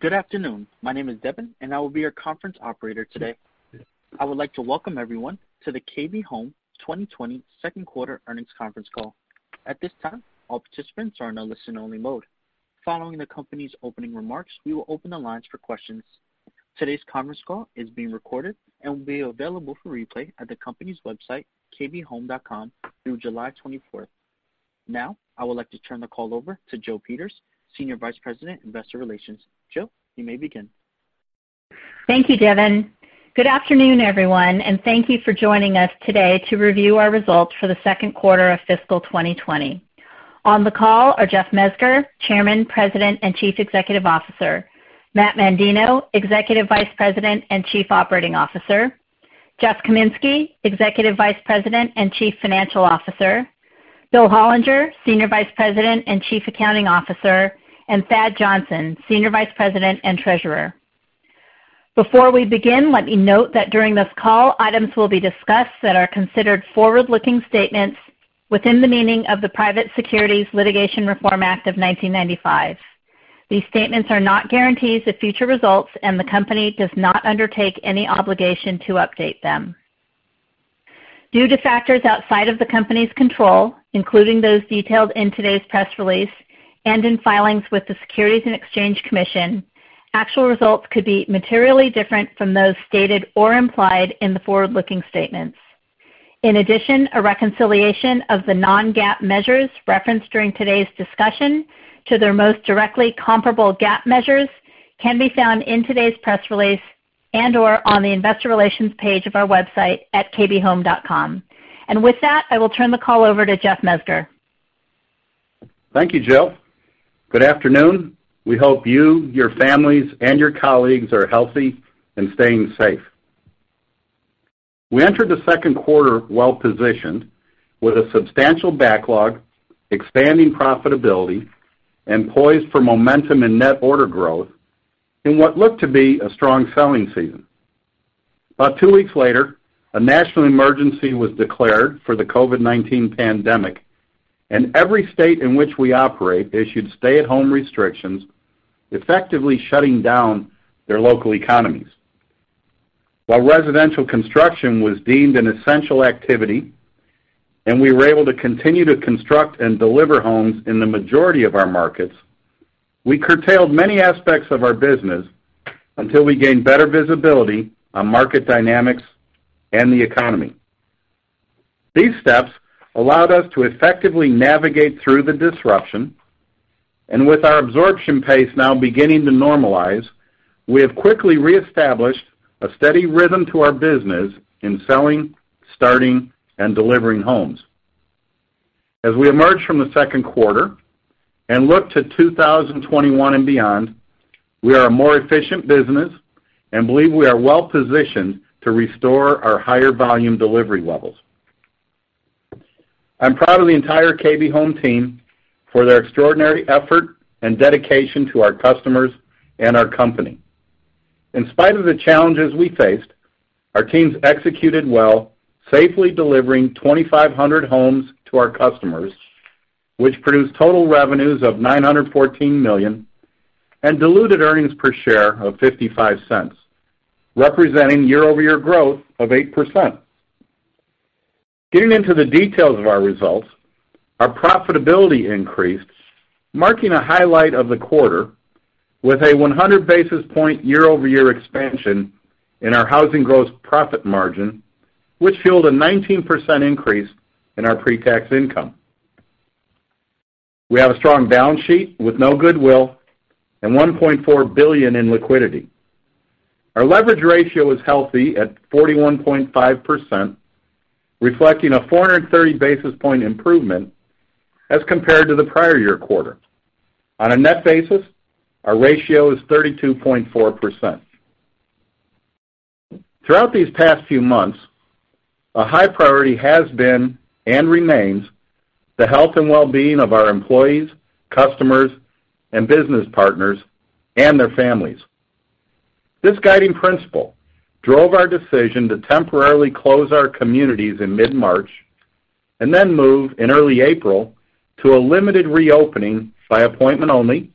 Good afternoon. My name is Devin, and I will be your conference operator today. I would like to welcome everyone to the KB Home 2020 second quarter earnings conference call. At this time, all participants are in a listen-only mode. Following the company's opening remarks, we will open the lines for questions. Today's conference call is being recorded and will be available for replay at the company's website, kbhome.com, through July 24th. Now, I would like to turn the call over to Jill Peters, Senior Vice President, Investor Relations. Jill, you may begin. Thank you, Devin. Good afternoon, everyone, and thank you for joining us today to review our results for the second quarter of fiscal year 2020. On the call are Jeff Mezger, Chairman, President, and Chief Executive Officer. Matt Mandino, Executive Vice President and Chief Operating Officer. Jeff Kaminski, Executive Vice President and Chief Financial Officer. Will Hollinger, Senior Vice President and Chief Accounting Officer. And Thad Johnson, Senior Vice President and Treasurer. Before we begin, let me note that during this call, items will be discussed that are considered forward-looking statements within the meaning of the Private Securities Litigation Reform Act of 1995. These statements are not guarantees of future results, and the company does not undertake any obligation to update them. Due to factors outside of the company's control, including those detailed in today's press release and in filings with the Securities and Exchange Commission, actual results could be materially different from those stated or implied in the forward-looking statements. In addition, a reconciliation of the non-GAAP measures referenced during today's discussion to their most directly comparable GAAP measures can be found in today's press release and/or on the Investor Relations page of our website at kbhome.com. And with that, I will turn the call over to Jeff Mezger. Thank you, Jill. Good afternoon. We hope you, your families, and your colleagues are healthy and staying safe. We entered the second quarter well-positioned, with a substantial backlog, expanding profitability, and poised for momentum in net order growth in what looked to be a strong selling season. About two weeks later, a national emergency was declared for the COVID-19 pandemic, and every state in which we operate issued stay-at-home restrictions, effectively shutting down their local economies. While residential construction was deemed an essential activity, and we were able to continue to construct and deliver homes in the majority of our markets, we curtailed many aspects of our business until we gained better visibility on market dynamics and the economy. These steps allowed us to effectively navigate through the disruption, and with our absorption pace now beginning to normalize, we have quickly reestablished a steady rhythm to our business in selling, starting, and delivering homes. As we emerge from the second quarter and look to 2021 and beyond, we are a more efficient business and believe we are well-positioned to restore our higher volume delivery levels. I'm proud of the entire KB Home team for their extraordinary effort and dedication to our customers and our company. In spite of the challenges we faced, our teams executed well, safely delivering 2,500 homes to our customers, which produced total revenues of $914 million and diluted earnings per share of $0.55, representing year-over-year growth of 8%. Getting into the details of our results, our profitability increased, marking a highlight of the quarter, with a 100 basis point year-over-year expansion in our housing gross profit margin, which fueled a 19% increase in our pre-tax income. We have a strong balance sheet with no goodwill and $1.4 billion in liquidity. Our leverage ratio is healthy at 41.5%, reflecting a 430 basis point improvement as compared to the prior year quarter. On a net basis, our ratio is 32.4%. Throughout these past few months, a high priority has been and remains the health and well-being of our employees, customers, and business partners, and their families. This guiding principle drove our decision to temporarily close our communities in mid-March and then move in early April to a limited reopening by appointment only,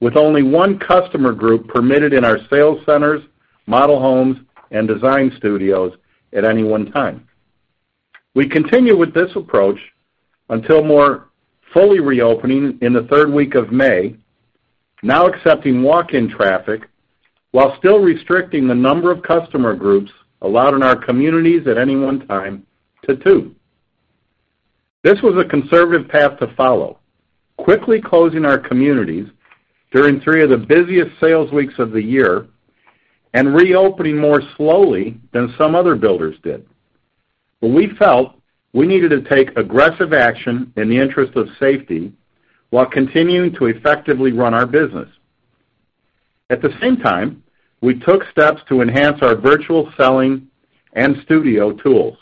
with only one customer group permitted in our sales centers, model homes, and design studios at any one time. We continue with this approach until more fully reopening in the third week of May, now accepting walk-in traffic while still restricting the number of customer groups allowed in our communities at any one time to two. This was a conservative path to follow, quickly closing our communities during three of the busiest sales weeks of the year and reopening more slowly than some other builders did. But we felt we needed to take aggressive action in the interest of safety while continuing to effectively run our business. At the same time, we took steps to enhance our virtual selling and studio tools.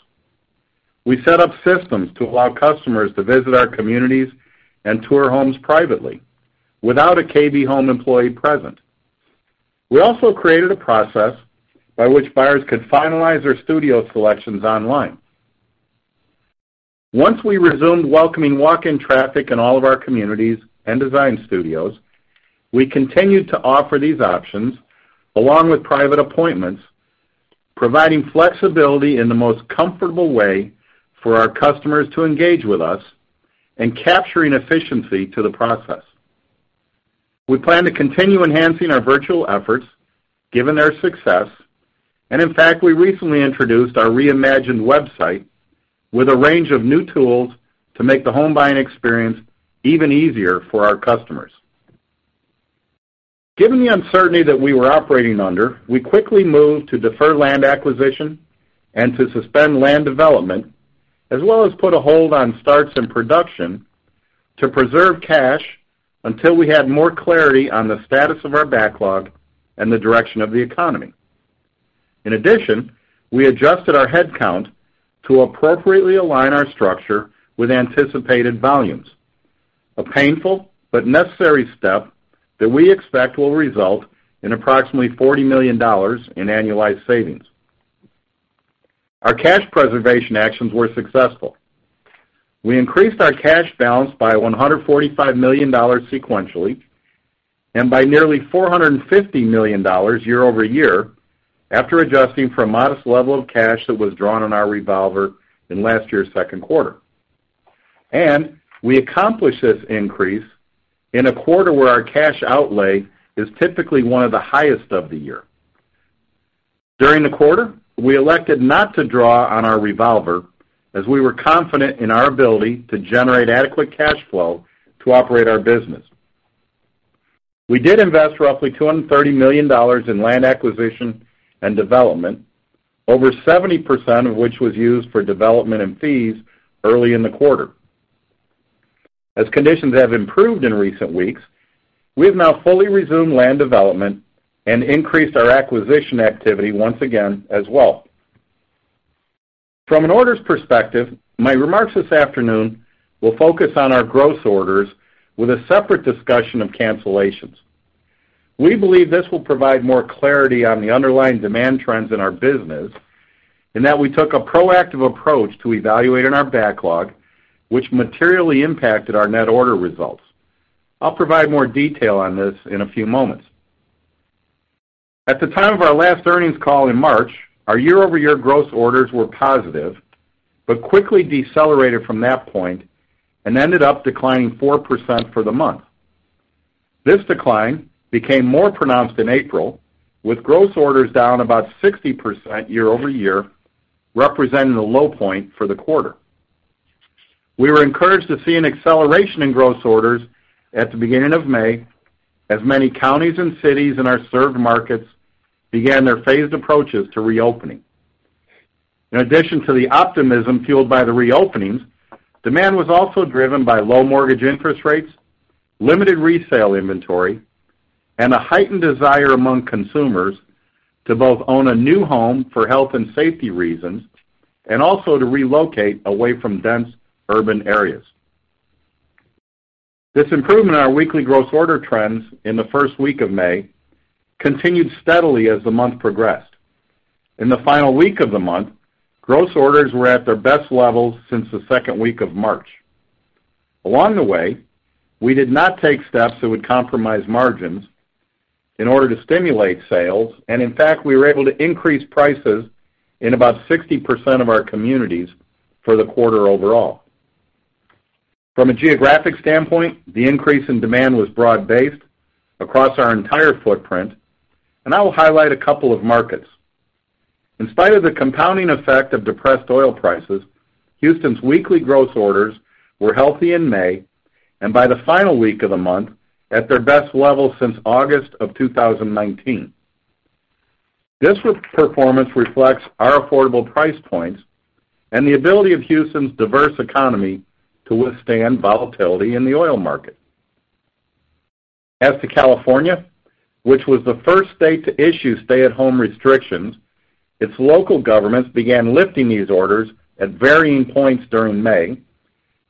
We set up systems to allow customers to visit our communities and tour homes privately without a KB Home employee present. We also created a process by which buyers could finalize their studio selections online. Once we resumed welcoming walk-in traffic in all of our communities and design studios, we continued to offer these options along with private appointments, providing flexibility in the most comfortable way for our customers to engage with us and capturing efficiency to the process. We plan to continue enhancing our virtual efforts given their success, and in fact, we recently introduced our reimagined website with a range of new tools to make the home buying experience even easier for our customers. Given the uncertainty that we were operating under, we quickly moved to defer land acquisition and to suspend land development, as well as put a hold on starts and production to preserve cash until we had more clarity on the status of our backlog and the direction of the economy. In addition, we adjusted our headcount to appropriately align our structure with anticipated volumes, a painful but necessary step that we expect will result in approximately $40 million in annualized savings. Our cash preservation actions were successful. We increased our cash balance by $145 million sequentially and by nearly $450 million year-over-year after adjusting for a modest level of cash that was drawn on our revolver in last year's second quarter. And we accomplished this increase in a quarter where our cash outlay is typically one of the highest of the year. During the quarter, we elected not to draw on our revolver as we were confident in our ability to generate adequate cash flow to operate our business. We did invest roughly $230 million in land acquisition and development, over 70% of which was used for development and fees early in the quarter. As conditions have improved in recent weeks, we have now fully resumed land development and increased our acquisition activity once again as well. From an orders perspective, my remarks this afternoon will focus on our gross orders with a separate discussion of cancellations. We believe this will provide more clarity on the underlying demand trends in our business and that we took a proactive approach to evaluating our backlog, which materially impacted our net order results. I'll provide more detail on this in a few moments. At the time of our last earnings call in March, our year-over-year gross orders were positive but quickly decelerated from that point and ended up declining 4% for the month. This decline became more pronounced in April, with gross orders down about 60% year-over-year, representing a low point for the quarter. We were encouraged to see an acceleration in gross orders at the beginning of May as many counties and cities in our served markets began their phased approaches to reopening. In addition to the optimism fueled by the reopenings, demand was also driven by low mortgage interest rates, limited resale inventory, and a heightened desire among consumers to both own a new home for health and safety reasons and also to relocate away from dense urban areas. This improvement in our weekly gross order trends in the first week of May continued steadily as the month progressed. In the final week of the month, gross orders were at their best levels since the second week of March. Along the way, we did not take steps that would compromise margins in order to stimulate sales, and in fact, we were able to increase prices in about 60% of our communities for the quarter overall. From a geographic standpoint, the increase in demand was broad-based across our entire footprint, and I will highlight a couple of markets. In spite of the compounding effect of depressed oil prices, Houston's weekly gross orders were healthy in May, and by the final week of the month, at their best level since August of 2019. This performance reflects our affordable price points and the ability of Houston's diverse economy to withstand volatility in the oil market. As to California, which was the first state to issue stay-at-home restrictions, its local governments began lifting these orders at varying points during May,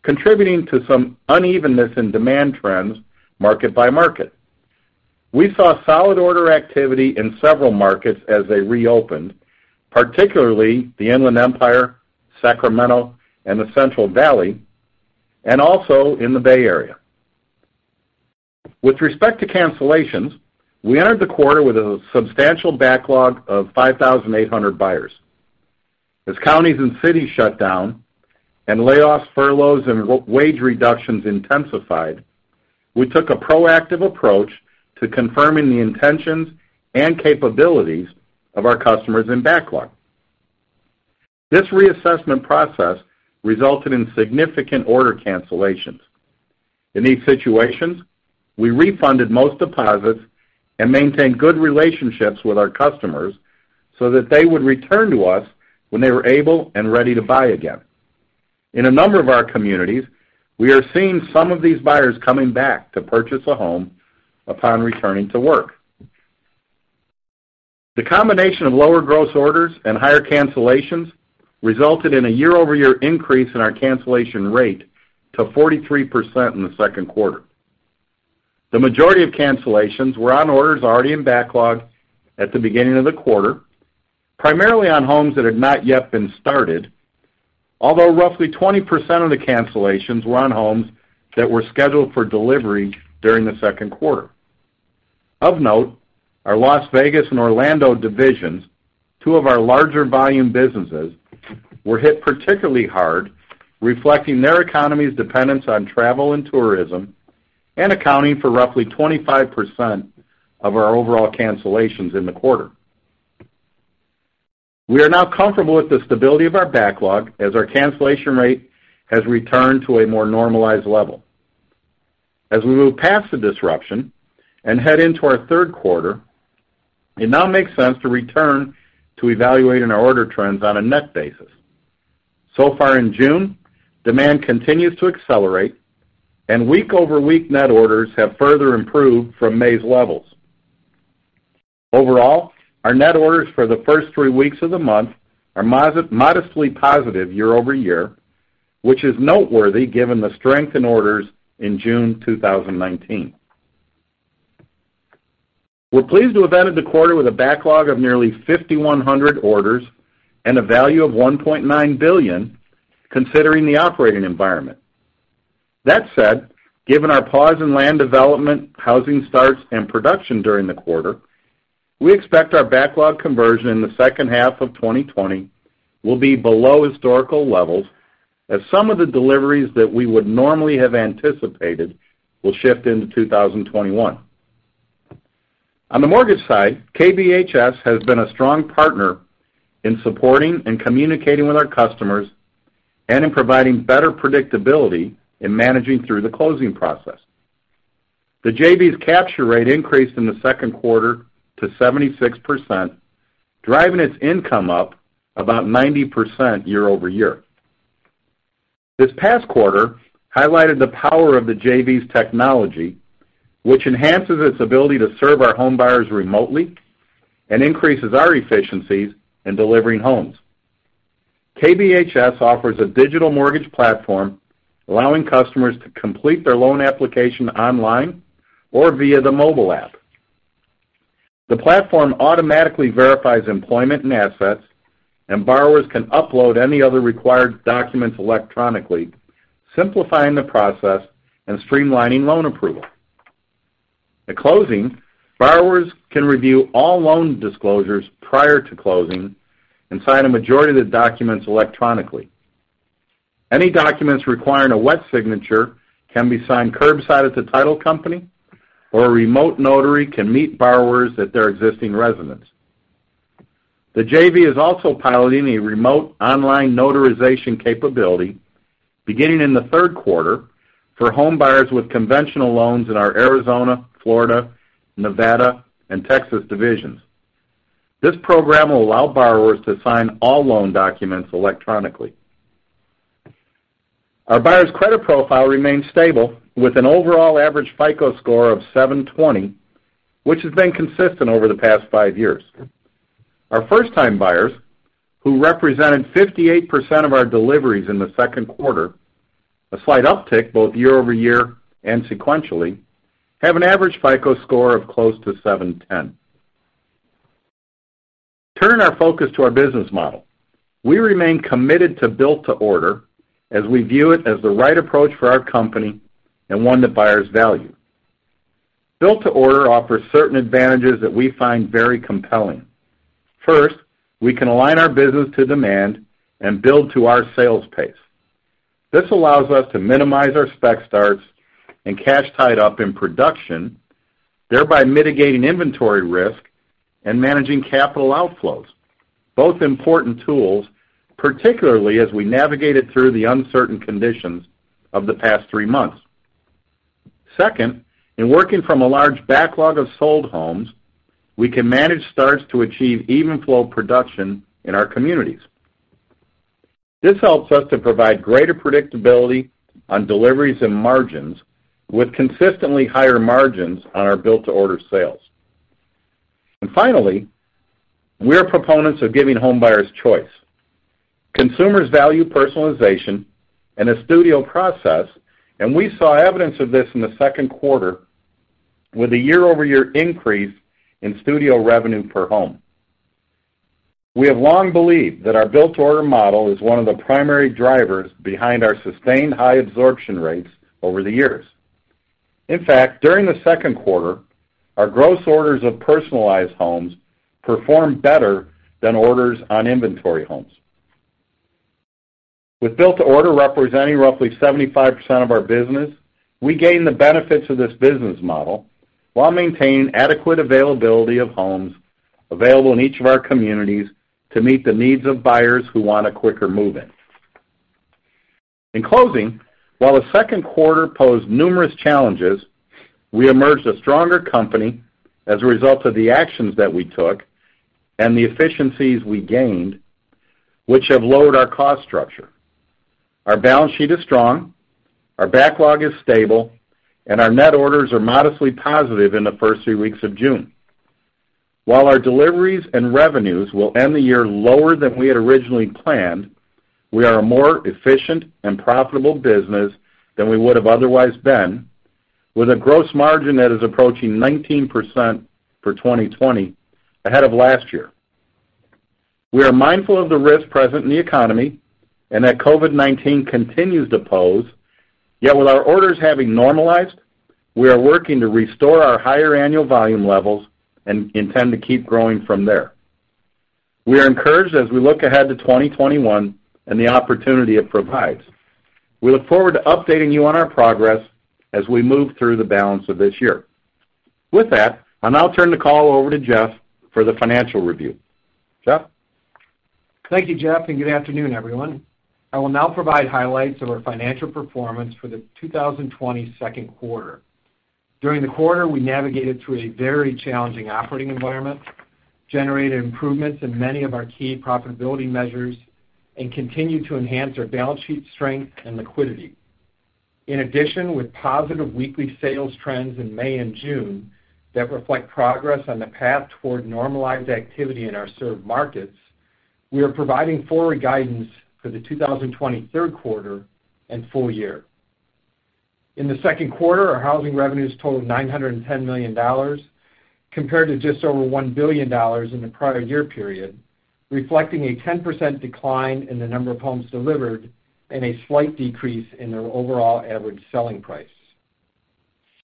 contributing to some unevenness in demand trends market by market. We saw solid order activity in several markets as they reopened, particularly the Inland Empire, Sacramento, and the Central Valley, and also in the Bay Area. With respect to cancellations, we entered the quarter with a substantial backlog of 5,800 buyers. As counties and cities shut down and layoffs, furloughs, and wage reductions intensified, we took a proactive approach to confirming the intentions and capabilities of our customers in backlog. This reassessment process resulted in significant order cancellations. In these situations, we refunded most deposits and maintained good relationships with our customers so that they would return to us when they were able and ready to buy again. In a number of our communities, we are seeing some of these buyers coming back to purchase a home upon returning to work. The combination of lower gross orders and higher cancellations resulted in a year-over-year increase in our cancellation rate to 43% in the second quarter. The majority of cancellations were on orders already in backlog at the beginning of the quarter, primarily on homes that had not yet been started, although roughly 20% of the cancellations were on homes that were scheduled for delivery during the second quarter. Of note, our Las Vegas and Orlando divisions, two of our larger volume businesses, were hit particularly hard, reflecting their economy's dependence on travel and tourism and accounting for roughly 25% of our overall cancellations in the quarter. We are now comfortable with the stability of our backlog as our cancellation rate has returned to a more normalized level. As we move past the disruption and head into our third quarter, it now makes sense to return to evaluating our order trends on a net basis. So far in June, demand continues to accelerate, and week-over-week net orders have further improved from May's levels. Overall, our net orders for the first three weeks of the month are modestly positive year-over-year, which is noteworthy given the strength in orders in June 2019. We're pleased to have ended the quarter with a backlog of nearly 5,100 orders and a value of $1.9 billion, considering the operating environment. That said, given our pause in land development, housing starts, and production during the quarter, we expect our backlog conversion in the second half of 2020 will be below historical levels as some of the deliveries that we would normally have anticipated will shift into 2021. On the mortgage side, KBHS has been a strong partner in supporting and communicating with our customers and in providing better predictability in managing through the closing process. The JV's capture rate increased in the second quarter to 76%, driving its income up about 90% year-over-year. This past quarter highlighted the power of the JV's technology, which enhances its ability to serve our home buyers remotely and increases our efficiencies in delivering homes. KBHS offers a digital mortgage platform allowing customers to complete their loan application online or via the mobile app. The platform automatically verifies employment and assets, and borrowers can upload any other required documents electronically, simplifying the process and streamlining loan approval. At closing, borrowers can review all loan disclosures prior to closing and sign a majority of the documents electronically. Any documents requiring a wet signature can be signed curbside at the title company, or a remote notary can meet borrowers at their existing residence. The JV is also piloting a remote online notarization capability beginning in the third quarter for home buyers with conventional loans in our Arizona, Florida, Nevada, and Texas divisions. This program will allow borrowers to sign all loan documents electronically. Our buyer's credit profile remains stable with an overall average FICO score of 720, which has been consistent over the past five years. Our first-time buyers, who represented 58% of our deliveries in the second quarter, a slight uptick both year-over-year and sequentially, have an average FICO score of close to 710. Turning our focus to our business model, we remain committed to Built-to-Order as we view it as the right approach for our company and one that buyers value. Built-to-Order offers certain advantages that we find very compelling. First, we can align our business to demand and build to our sales pace. This allows us to minimize our spec starts and cash tied up in production, thereby mitigating inventory risk and managing capital outflows, both important tools, particularly as we navigated through the uncertain conditions of the past three months. Second, in working from a large backlog of sold homes, we can manage starts to achieve even flow production in our communities. This helps us to provide greater predictability on deliveries and margins, with consistently higher margins on our Built-to-Order sales. And finally, we are proponents of giving home buyers choice. Consumers value personalization and a studio process, and we saw evidence of this in the second quarter with a year-over-year increase in studio revenue per home. We have long believed that our Built-to-Order model is one of the primary drivers behind our sustained high absorption rates over the years. In fact, during the second quarter, our gross orders of personalized homes performed better than orders on inventory homes. With Built-to-Order representing roughly 75% of our business, we gain the benefits of this business model while maintaining adequate availability of homes available in each of our communities to meet the needs of buyers who want a quicker move-in. In closing, while the second quarter posed numerous challenges, we emerged a stronger company as a result of the actions that we took and the efficiencies we gained, which have lowered our cost structure. Our balance sheet is strong, our backlog is stable, and our net orders are modestly positive in the first three weeks of June. While our deliveries and revenues will end the year lower than we had originally planned, we are a more efficient and profitable business than we would have otherwise been, with a gross margin that is approaching 19% for 2020 ahead of last year. We are mindful of the risk present in the economy and that COVID-19 continues to pose, yet with our orders having normalized, we are working to restore our higher annual volume levels and intend to keep growing from there. We are encouraged as we look ahead to 2021 and the opportunity it provides. We look forward to updating you on our progress as we move through the balance of this year. With that, I'll now turn the call over to Jeff for the financial review. Jeff? Thank you, Jeff, and good afternoon, everyone. I will now provide highlights of our financial performance for the 2020 second quarter. During the quarter, we navigated through a very challenging operating environment, generated improvements in many of our key profitability measures, and continued to enhance our balance sheet strength and liquidity. In addition, with positive weekly sales trends in May and June that reflect progress on the path toward normalized activity in our served markets, we are providing forward guidance for the 2020 third quarter and full year. In the second quarter, our housing revenues totaled $910 million compared to just over $1 billion in the prior year period, reflecting a 10% decline in the number of homes delivered and a slight decrease in their overall average selling price.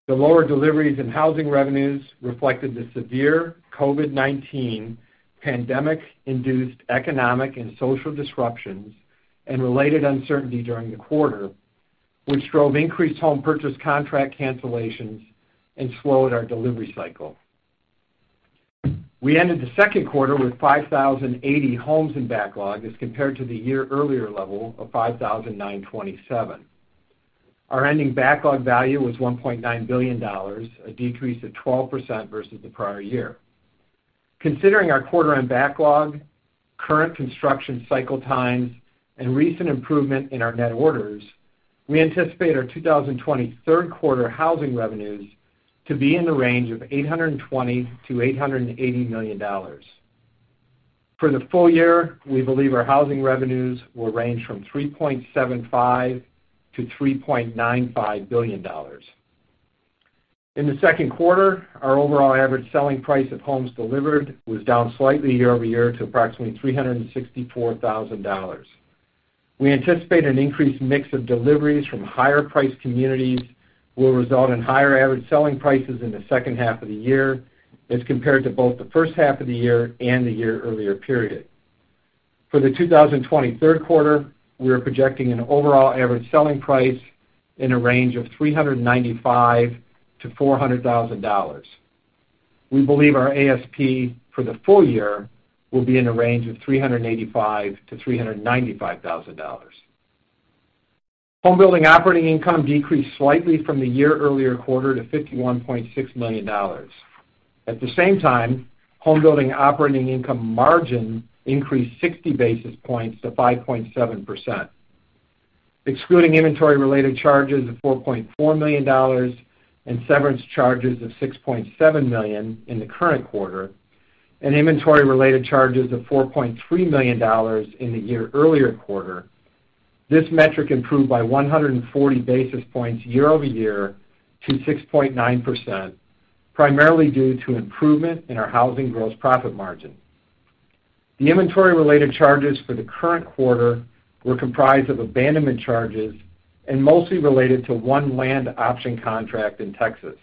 The lower deliveries and housing revenues reflected the severe COVID-19 pandemic-induced economic and social disruptions and related uncertainty during the quarter, which drove increased home purchase contract cancellations and slowed our delivery cycle. We ended the second quarter with 5,080 homes in backlog as compared to the year earlier level of 5,927. Our ending backlog value was $1.9 billion, a decrease of 12% versus the prior year. Considering our quarter-end backlog, current construction cycle times, and recent improvement in our net orders, we anticipate our 2020 third quarter housing revenues to be in the range of $820million-$880 million. For the full year, we believe our housing revenues will range from $3.75million-$3.95 billion. In the second quarter, our overall average selling price of homes delivered was down slightly year-over-year to approximately $364,000. We anticipate an increased mix of deliveries from higher-priced communities will result in higher average selling prices in the second half of the year as compared to both the first half of the year and the year earlier period. For the 2020 third quarter, we are projecting an overall average selling price in a range of $395,000-$400,000. We believe our ASP for the full year will be in the range of $385,000-$395,000. Homebuilding operating income decreased slightly from the year earlier quarter to $51.6 million. At the same time, Homebuilding operating income margin increased 60 basis points to 5.7%. Excluding inventory-related charges of $4.4 million and severance charges of $6.7 million in the current quarter and inventory-related charges of $4.3 million in the year earlier quarter, this metric improved by 140 basis points year-over-year to 6.9%, primarily due to improvement in our housing gross profit margin. The inventory-related charges for the current quarter were comprised of abandonment charges and mostly related to one land option contract in Texas.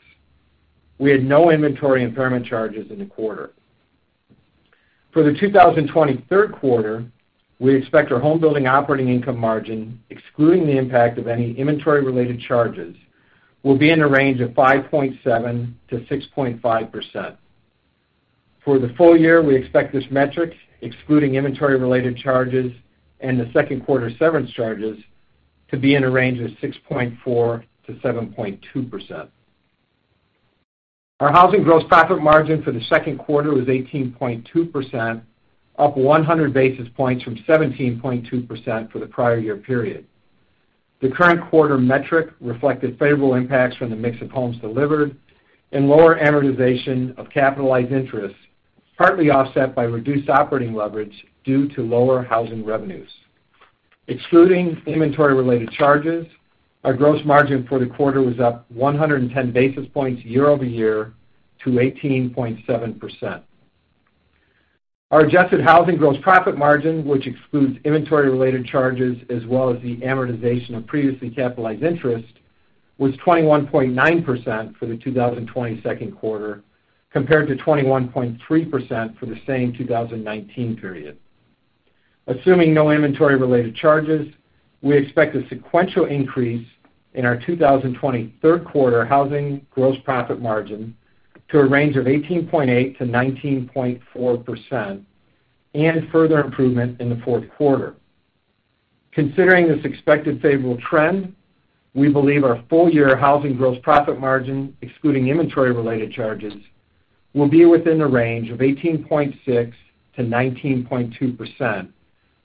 We had no inventory impairment charges in the quarter. For the 2020 third quarter, we expect our Homebuilding operating income margin, excluding the impact of any inventory-related charges, will be in the range of 5.7%-6.5%. For the full year, we expect this metric, excluding inventory-related charges and the second quarter severance charges, to be in the range of 6.4%-7.2%. Our housing gross profit margin for the second quarter was 18.2%, up 100 basis points from 17.2% for the prior year period. The current quarter metric reflected favorable impacts from the mix of homes delivered and lower amortization of capitalized interest, partly offset by reduced operating leverage due to lower housing revenues. Excluding inventory-related charges, our gross margin for the quarter was up 110 basis points year-over-year to 18.7%. Our adjusted housing gross profit margin, which excludes inventory-related charges as well as the amortization of previously capitalized interest, was 21.9% for the 2020 second quarter compared to 21.3% for the same 2019 period. Assuming no inventory-related charges, we expect a sequential increase in our 2020 third quarter housing gross profit margin to a range of 18.8%-19.4% and further improvement in the fourth quarter. Considering this expected favorable trend, we believe our full-year housing gross profit margin, excluding inventory-related charges, will be within the range of 18.6%-19.2%,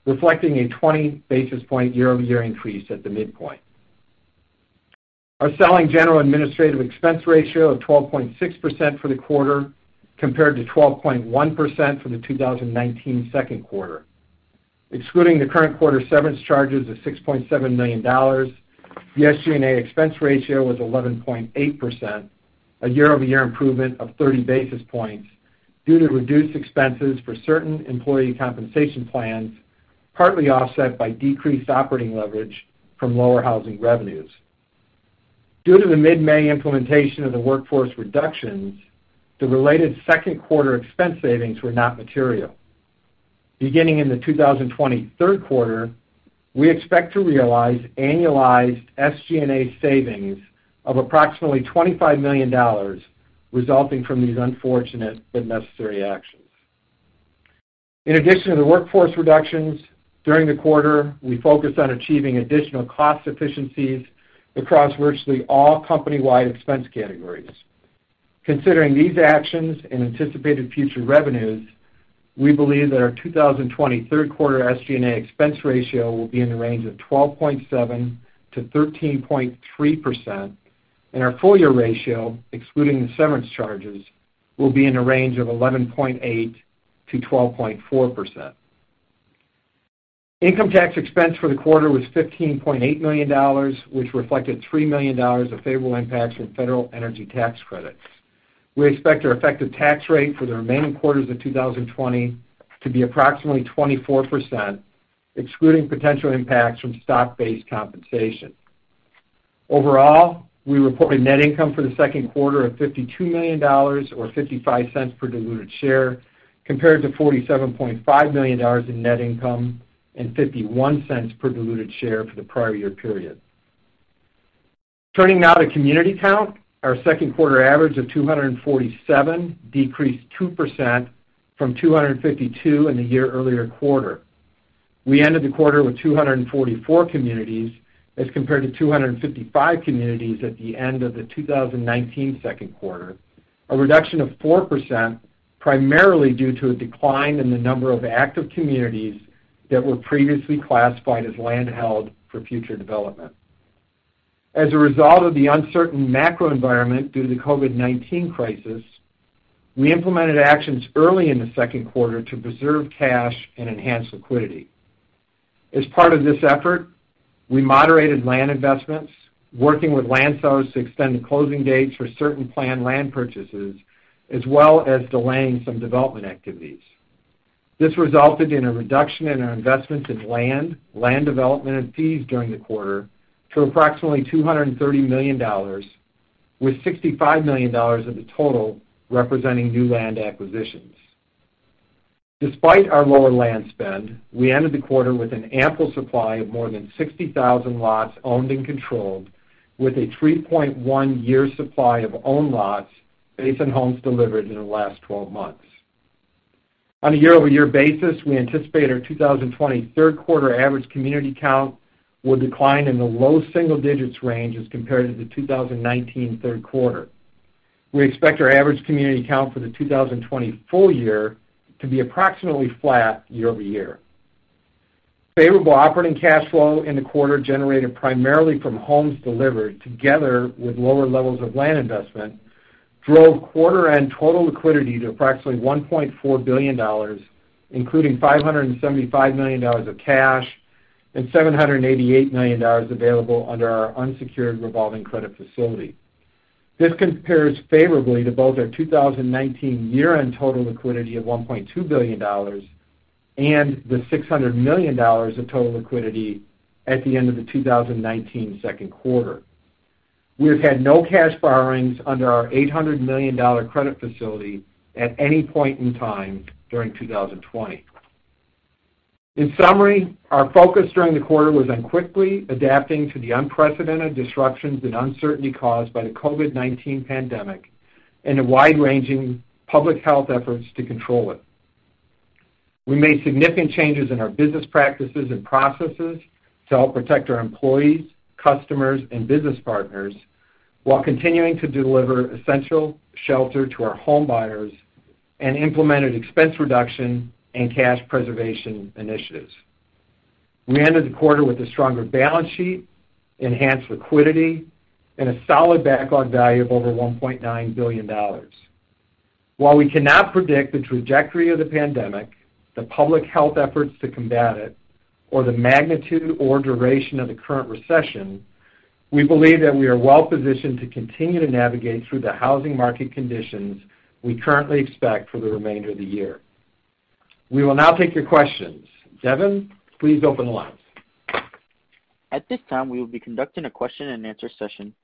reflecting a 20 basis point year-over-year increase at the midpoint. Our Selling, General, and Administrative expense ratio of 12.6% for the quarter compared to 12.1% for the 2019 second quarter. Excluding the current quarter severance charges of $6.7 million, the SG&A expense ratio was 11.8%, a year-over-year improvement of 30 basis points due to reduced expenses for certain employee compensation plans, partly offset by decreased operating leverage from lower housing revenues. Due to the mid-May implementation of the workforce reductions, the related second quarter expense savings were not material. Beginning in the 2020 third quarter, we expect to realize annualized SG&A savings of approximately $25 million resulting from these unfortunate but necessary actions. In addition to the workforce reductions during the quarter, we focused on achieving additional cost efficiencies across virtually all company-wide expense categories. Considering these actions and anticipated future revenues, we believe that our 2020 third quarter SG&A expense ratio will be in the range of 12.7%-13.3%, and our full year ratio, excluding the severance charges, will be in the range of 11.8%-12.4%. Income tax expense for the quarter was $15.8 million, which reflected $3 million of favorable impacts from federal energy tax credits. We expect our effective tax rate for the remaining quarters of 2020 to be approximately 24%, excluding potential impacts from stock-based compensation. Overall, we reported net income for the second quarter of $52 million or $0.55 per diluted share compared to $47.5 million in net income and $0.51 per diluted share for the prior year period. Turning now to community count, our second quarter average of 247 decreased 2% from 252 in the year earlier quarter. We ended the quarter with 244 communities as compared to 255 communities at the end of the 2019 second quarter, a reduction of 4% primarily due to a decline in the number of active communities that were previously classified as land held for future development. As a result of the uncertain macro environment due to the COVID-19 crisis, we implemented actions early in the second quarter to preserve cash and enhance liquidity. As part of this effort, we moderated land investments, working with land sellers to extend the closing dates for certain planned land purchases, as well as delaying some development activities. This resulted in a reduction in our investments in land, land development, and fees during the quarter to approximately $230 million, with $65 million of the total representing new land acquisitions. Despite our lower land spend, we ended the quarter with an ample supply of more than 60,000 lots owned and controlled, with a 3.1-year supply of owned lots based on homes delivered in the last 12 months. On a year-over-year basis, we anticipate our 2020 third quarter average community count will decline in the low single digits range as compared to the 2019 third quarter. We expect our average community count for the 2020 full year to be approximately flat year-over-year. Favorable operating cash flow in the quarter generated primarily from homes delivered together with lower levels of land investment drove quarter-end total liquidity to approximately $1.4 billion, including $575 million of cash and $788 million available under our unsecured revolving credit facility. This compares favorably to both our 2019 year-end total liquidity of $1.2 billion and the $600 million of total liquidity at the end of the 2019 second quarter. We have had no cash borrowings under our $800 million credit facility at any point in time during 2020. In summary, our focus during the quarter was on quickly adapting to the unprecedented disruptions and uncertainty caused by the COVID-19 pandemic and the wide-ranging public health efforts to control it. We made significant changes in our business practices and processes to help protect our employees, customers, and business partners while continuing to deliver essential shelter to our homebuyers and implemented expense reduction and cash preservation initiatives. We ended the quarter with a stronger balance sheet, enhanced liquidity, and a solid backlog value of over $1.9 billion. While we cannot predict the trajectory of the pandemic, the public health efforts to combat it, or the magnitude or duration of the current recession, we believe that we are well-positioned to continue to navigate through the housing market conditions we currently expect for the remainder of the year. We will now take your questions. Devin, please open the line. At this time, we will be conducting a question-and-answer session.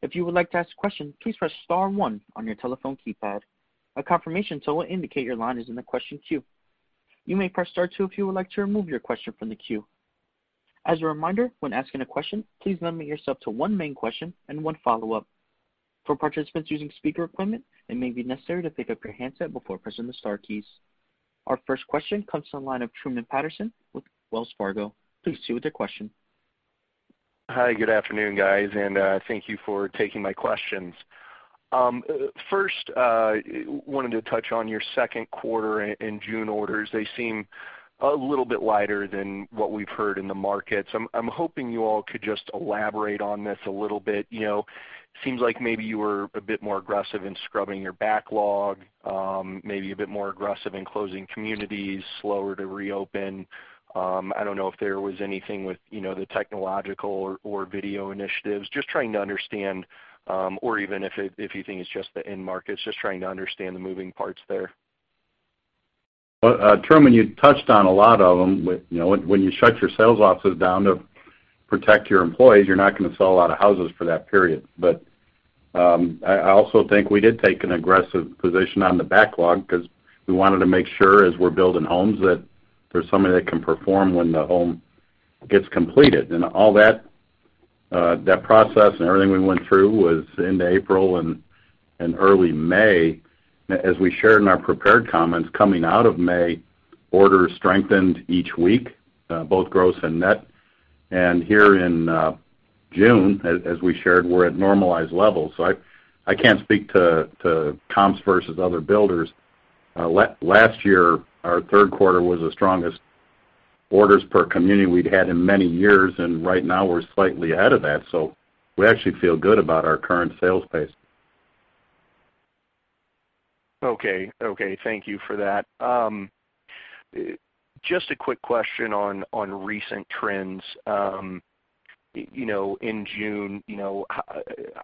If you would like to ask a question, please press star one on your telephone keypad. A confirmation tool will indicate your line is in the question queue. You may press star two if you would like to remove your question from the queue. As a reminder, when asking a question, please limit yourself to one main question and one follow-up. For participants using speaker equipment, it may be necessary to pick up your handset before pressing the star keys. Our first question comes from the line of Truman Patterson with Wells Fargo. Please proceed with your question. Hi, good afternoon, guys, and thank you for taking my questions. First, I wanted to touch on your second quarter in June orders. They seem a little bit lighter than what we've heard in the markets. I'm hoping you all could just elaborate on this a little bit. Seems like maybe you were a bit more aggressive in scrubbing your backlog, maybe a bit more aggressive in closing communities, slower to reopen. I don't know if there was anything with the technological or video initiatives. Just trying to understand, or even if you think it's just the end markets, just trying to understand the moving parts there. Well, Truman, you touched on a lot of them. When you shut your sales offices down to protect your employees, you're not going to sell a lot of houses for that period. But I also think we did take an aggressive position on the backlog because we wanted to make sure, as we're building homes, that there's something that can perform when the home gets completed. And all that process and everything we went through was in April and early May. As we shared in our prepared comments, coming out of May, orders strengthened each week, both gross and net. And here in June, as we shared, we're at normalized levels. So I can't speak to comps versus other builders. Last year, our third quarter was the strongest orders per community we'd had in many years, and right now we're slightly ahead of that. So we actually feel good about our current sales base. Okay. Okay. Thank you for that. Just a quick question on recent trends. In June,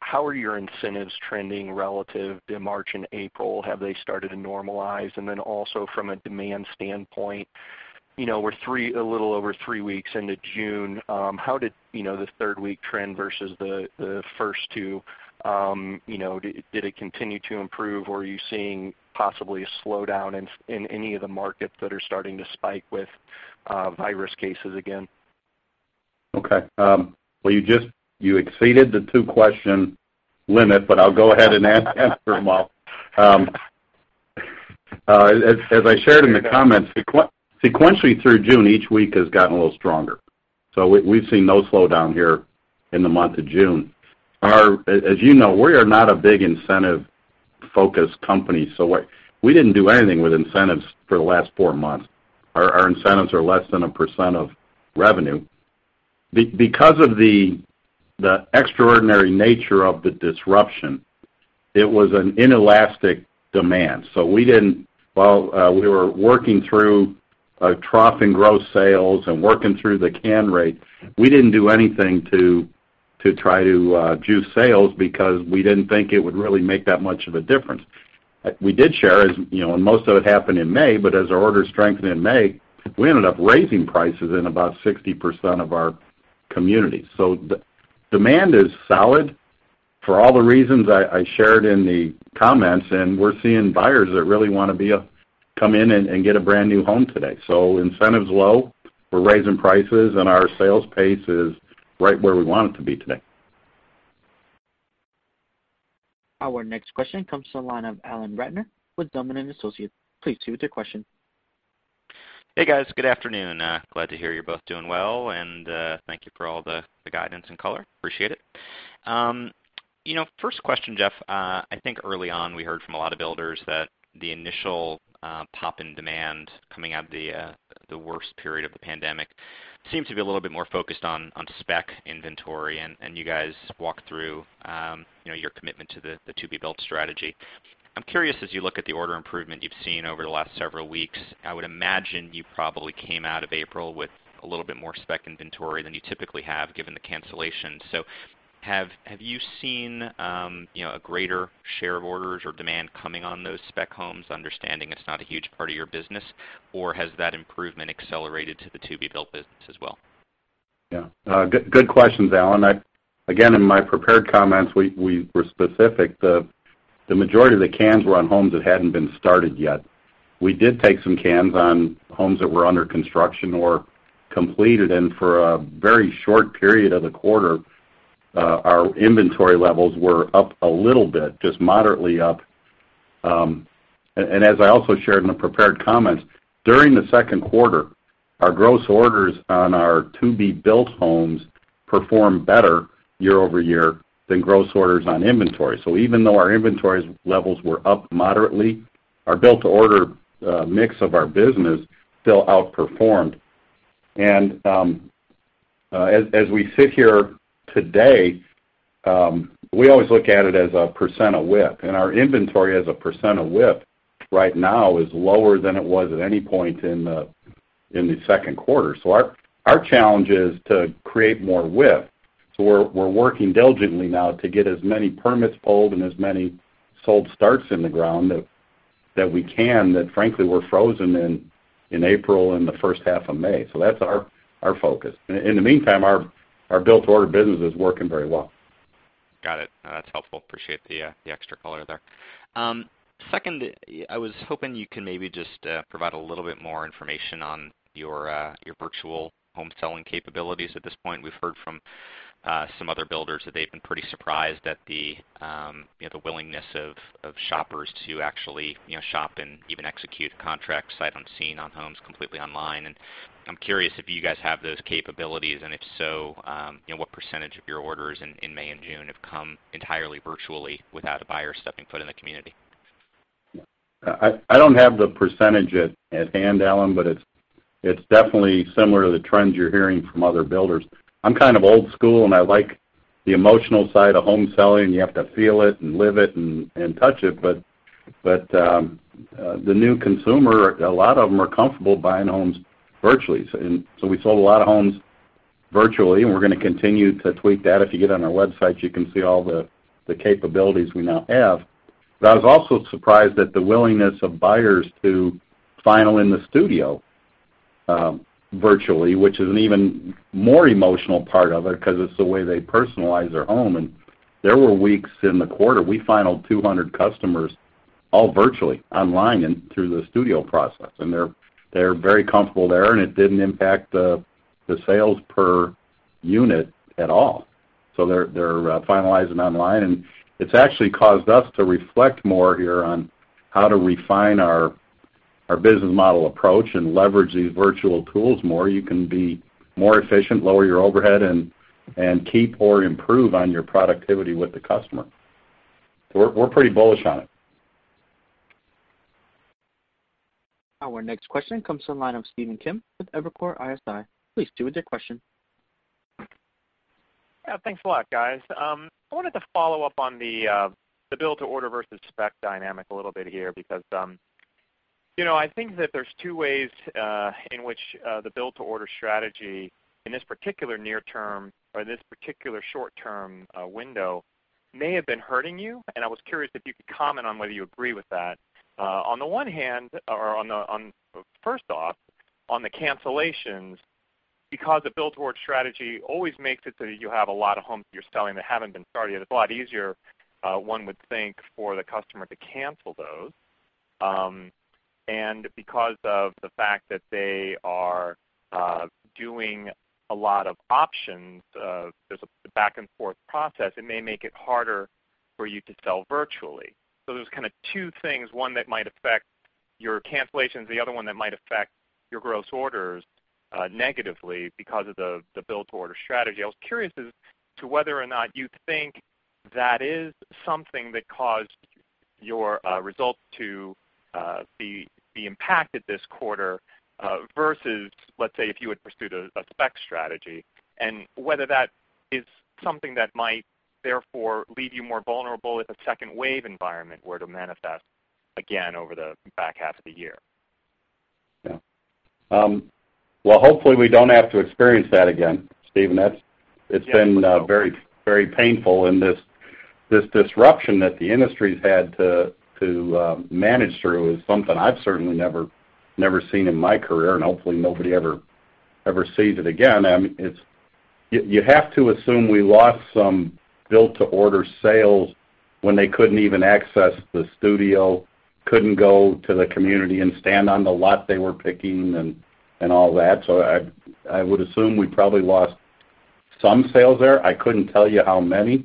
how are your incentives trending relative to March and April? Have they started to normalize? And then also from a demand standpoint, we're a little over three weeks into June. How did the third-week trend versus the first two? Did it continue to improve, or are you seeing possibly a slowdown in any of the markets that are starting to spike with virus cases again? Okay, well, you exceeded the two-question limit, but I'll go ahead and answer them all. As I shared in the comments, sequentially through June, each week has gotten a little stronger, so we've seen no slowdown here in the month of June. As you know, we are not a big incentive-focused company, so we didn't do anything with incentives for the last four months. Our incentives are less than 1% of revenue. Because of the extraordinary nature of the disruption, it was an inelastic demand, so we were working through troughing gross sales and working through the can rate. We didn't do anything to try to juice sales because we didn't think it would really make that much of a difference. We did share, and most of it happened in May, but as our orders strengthened in May, we ended up raising prices in about 60% of our communities. So demand is solid for all the reasons I shared in the comments, and we're seeing buyers that really want to come in and get a brand new home today. So incentives low, we're raising prices, and our sales pace is right where we want it to be today. Our next question comes from the line of Alan Ratner with Zelman & Associates. Please proceed with your question. Hey, guys. Good afternoon. Glad to hear you're both doing well, and thank you for all the guidance and color. Appreciate it. First question, Jeff. I think early on we heard from a lot of builders that the initial pop in demand coming out of the worst period of the pandemic seemed to be a little bit more focused on spec inventory, and you guys walked through your commitment to the to-be-built strategy. I'm curious, as you look at the order improvement you've seen over the last several weeks, I would imagine you probably came out of April with a little bit more spec inventory than you typically have given the cancellations. So have you seen a greater share of orders or demand coming on those spec homes, understanding it's not a huge part of your business, or has that improvement accelerated to the to-be-built business as well? Yeah. Good questions, Alan. Again, in my prepared comments, we were specific. The majority of the cans were on homes that hadn't been started yet. We did take some cans on homes that were under construction or completed, and for a very short period of the quarter, our inventory levels were up a little bit, just moderately up. And as I also shared in the prepared comments, during the second quarter, our gross orders on our to-be-built homes performed better year over year than gross orders on inventory. So even though our inventory levels were up moderately, our built-to-order mix of our business still outperformed. And as we sit here today, we always look at it as a percent of WIP, and our inventory as a percent of WIP right now is lower than it was at any point in the second quarter. So our challenge is to create more WIP. So we're working diligently now to get as many permits pulled and as many sold starts in the ground that we can, frankly, were frozen in April and the first half of May. So that's our focus. In the meantime, our built-to-order business is working very well. Got it. That's helpful. Appreciate the extra color there. Second, I was hoping you could maybe just provide a little bit more information on your virtual home selling capabilities. At this point, we've heard from some other builders that they've been pretty surprised at the willingness of shoppers to actually shop and even execute contracts sight unseen on homes completely online. And I'm curious if you guys have those capabilities, and if so, what percentage of your orders in May and June have come entirely virtually without a buyer stepping foot in the community? I don't have the percentage at hand, Alan, but it's definitely similar to the trends you're hearing from other builders. I'm kind of old school, and I like the emotional side of home selling, and you have to feel it and live it and touch it. But the new consumer, a lot of them are comfortable buying homes virtually. So we sold a lot of homes virtually, and we're going to continue to tweak that. If you get on our website, you can see all the capabilities we now have. But I was also surprised at the willingness of buyers to final in the studio virtually, which is an even more emotional part of it because it's the way they personalize their home. And there were weeks in the quarter we finaled 200 customers all virtually online and through the studio process. And they're very comfortable there, and it didn't impact the sales per unit at all. So they're finalizing online, and it's actually caused us to reflect more here on how to refine our business model approach and leverage these virtual tools more. You can be more efficient, lower your overhead, and keep or improve on your productivity with the customer. So we're pretty bullish on it. Our next question comes from the line of Stephen Kim with Evercore ISI. Please proceed with your question. Yeah. Thanks a lot, guys. I wanted to follow up on the Built-to-Order versus spec dynamic a little bit here because I think that there's two ways in which the Built-to-Order strategy in this particular near-term or in this particular short-term window may have been hurting you. And I was curious if you could comment on whether you agree with that. On the one hand, or first off, on the cancellations, because the Built-to-Order strategy always makes it so that you have a lot of homes that you're selling that haven't been started yet, it's a lot easier, one would think, for the customer to cancel those, and because of the fact that they are doing a lot of options, there's a back-and-forth process, it may make it harder for you to sell virtually, so there's kind of two things, one that might affect your cancellations, the other one that might affect your gross orders negatively because of the Built-to-Order strategy. I was curious as to whether or not you think that is something that caused your result to be impacted this quarter versus, let's say, if you had pursued a spec strategy, and whether that is something that might therefore leave you more vulnerable if a second wave environment were to manifest again over the back half of the year. Yeah. Well, hopefully, we don't have to experience that again, Stephen. It's been very painful, and this disruption that the industry's had to manage through is something I've certainly never seen in my career, and hopefully, nobody ever sees it again. You have to assume we lost some Built-to-Order sales when they couldn't even access the studio, couldn't go to the community and stand on the lot they were picking and all that. So I would assume we probably lost some sales there. I couldn't tell you how many.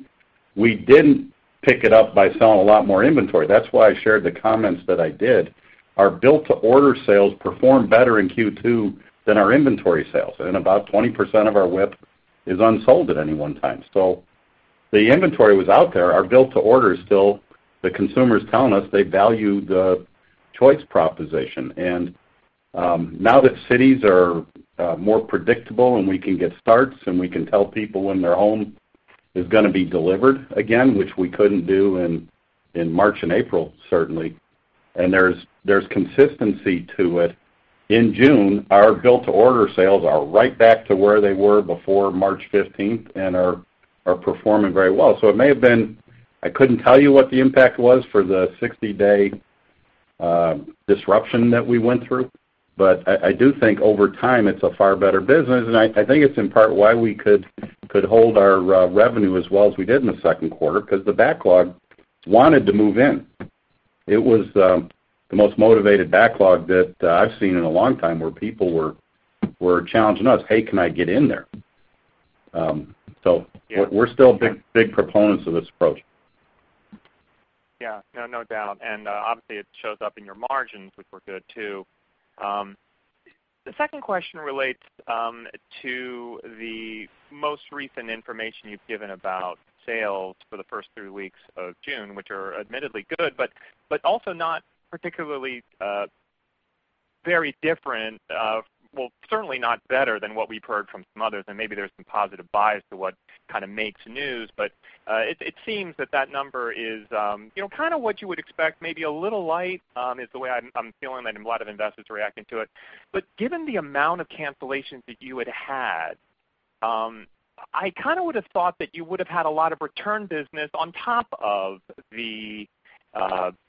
We didn't pick it up by selling a lot more inventory. That's why I shared the comments that I did. Our Built-to-Order sales performed better in second quarter than our inventory sales, and about 20% of our WIP is unsold at any one time. So the inventory was out there. Our Built-to-Order is still the consumers telling us they value the choice proposition. And now that cities are more predictable and we can get starts and we can tell people when their home is going to be delivered again, which we couldn't do in March and April, certainly, and there's consistency to it, in June, our Built-to-Order sales are right back to where they were before March 15th and are performing very well. So it may have been. I couldn't tell you what the impact was for the 60-day disruption that we went through, but I do think over time it's a far better business. And I think it's in part why we could hold our revenue as well as we did in the second quarter because the backlog wanted to move in. It was the most motivated backlog that I've seen in a long time where people were challenging us, "Hey, can I get in there?" So we're still big proponents of this approach. Yeah. No doubt. And obviously, it shows up in your margins, which were good too. The second question relates to the most recent information you've given about sales for the first three weeks of June, which are admittedly good, but also not particularly very different. Certainly not better than what we've heard from others, and maybe there's some positive bias to what kind of makes news. But it seems that that number is kind of what you would expect, maybe a little light is the way I'm feeling that a lot of investors are reacting to it. But given the amount of cancellations that you had had, I kind of would have thought that you would have had a lot of return business on top of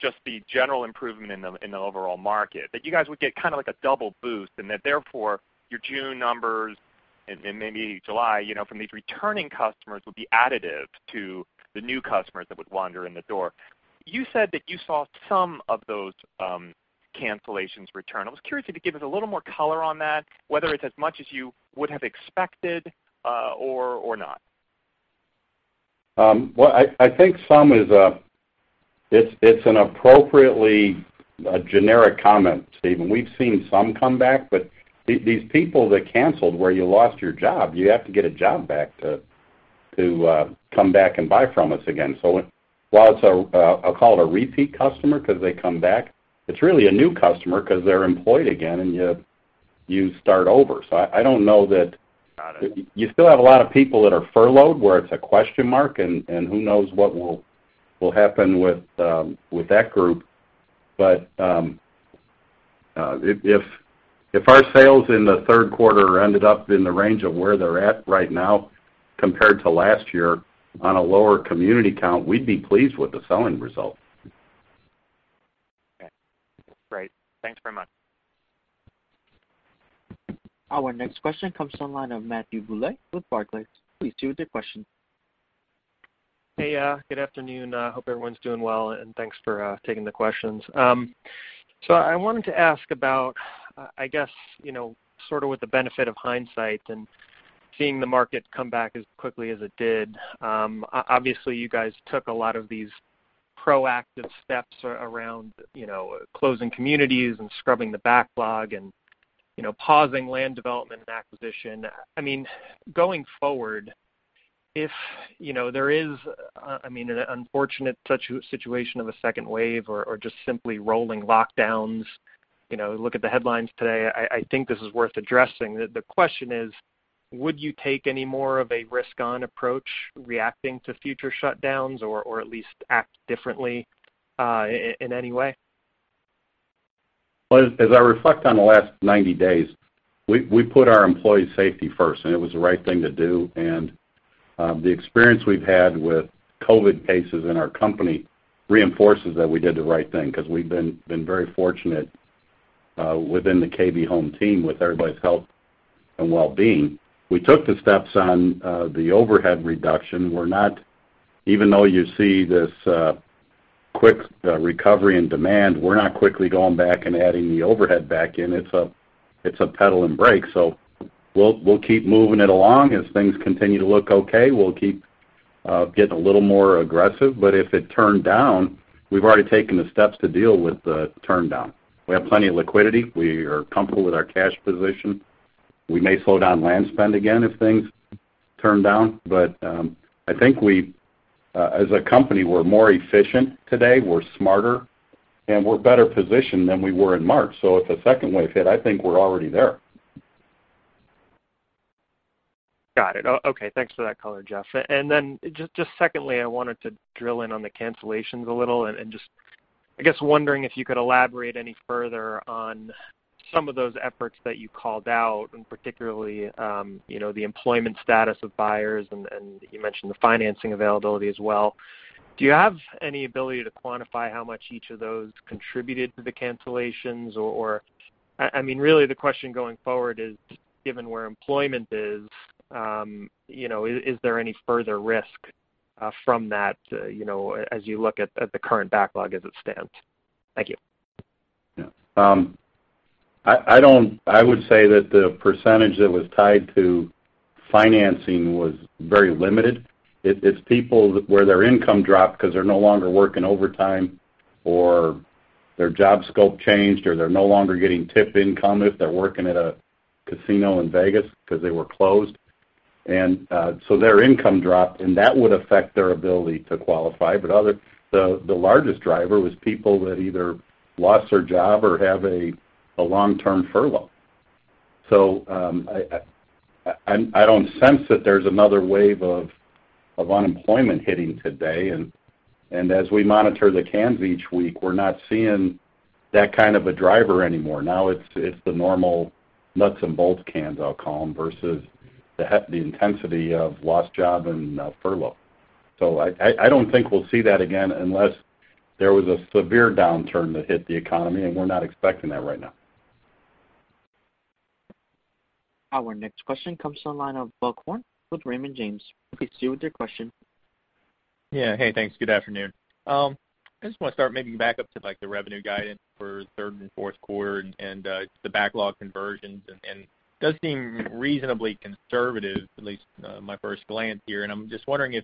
just the general improvement in the overall market, that you guys would get kind of like a double boost, and that therefore your June numbers and maybe July from these returning customers would be additive to the new customers that would wander in the door. You said that you saw some of those cancellations return. I was curious if you could give us a little more color on that, whether it's as much as you would have expected or not. Well, I think some is, it's an appropriately generic comment, Stephen. We've seen some come back, but these people that canceled who lost your job, you have to get a job back to come back and buy from us again. So while it's, call it a repeat customer because they come back, it's really a new customer because they're employed again and you start over. So I don't know that you still have a lot of people that are furloughed where it's a question mark and who knows what will happen with that group. But if our sales in the third quarter ended up in the range of where they're at right now compared to last year on a lower community count, we'd be pleased with the selling result. Okay. Great. Thanks very much. Our next question comes from the line of Matthew Bouley with Barclays. Please proceed with your question. Hey, good afternoon. I hope everyone's doing well, and thanks for taking the questions. So I wanted to ask about, I guess, sort of with the benefit of hindsight and seeing the market come back as quickly as it did, obviously, you guys took a lot of these proactive steps around closing communities and scrubbing the backlog and pausing land development and acquisition. I mean, going forward, if there is, I mean, an unfortunate situation of a second wave or just simply rolling lockdowns, look at the headlines today, I think this is worth addressing. The question is, would you take any more of a risk-on approach reacting to future shutdowns or at least act differently in any way? Well, as I reflect on the last 90 days, we put our employee safety first, and it was the right thing to do. And the experience we've had with COVID cases in our company reinforces that we did the right thing because we've been very fortunate within the KB Home team with everybody's health and well-being. We took the steps on the overhead reduction. Even though you see this quick recovery in demand, we're not quickly going back and adding the overhead back in. It's a pedal and brake. So we'll keep moving it along. As things continue to look okay, we'll keep getting a little more aggressive. But if it turns down, we've already taken the steps to deal with the turndown. We have plenty of liquidity. We are comfortable with our cash position. We may slow down land spend again if things turn down. But I think as a company, we're more efficient today. We're smarter, and we're better positioned than we were in March. So if a second wave hit, I think we're already there. Got it. Okay. Thanks for that color, Jeff. And then just secondly, I wanted to drill in on the cancellations a little and just, I guess, wondering if you could elaborate any further on some of those efforts that you called out, and particularly the employment status of buyers, and you mentioned the financing availability as well. Do you have any ability to quantify how much each of those contributed to the cancellations? Or, I mean, really, the question going forward is, given where employment is, is there any further risk from that as you look at the current backlog as it stands? Thank you. Yeah. I would say that the percentage that was tied to financing was very limited. It's people where their income dropped because they're no longer working overtime or their job scope changed or they're no longer getting tip income if they're working at a casino in Vegas because they were closed. And so their income dropped, and that would affect their ability to qualify. But the largest driver was people that either lost their job or have a long-term furlough. So I don't sense that there's another wave of unemployment hitting today. And as we monitor the cans each week, we're not seeing that kind of a driver anymore. Now it's the normal nuts and bolts cans, I'll call them, versus the intensity of lost job and furlough. So I don't think we'll see that again unless there was a severe downturn that hit the economy, and we're not expecting that right now. Our next question comes from the line of Buck Horne with Raymond James. Please proceed with your question. Yeah. Hey, thanks. Good afternoon. I just want to start maybe back up to the revenue guidance for third and fourth quarter and the backlog conversions. And it does seem reasonably conservative, at least my first glance here. And I'm just wondering if